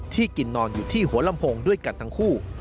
กินนอนอยู่ที่หัวลำโพงด้วยกันทั้งคู่